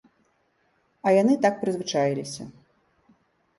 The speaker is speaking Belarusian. А яны так прызвычаіліся.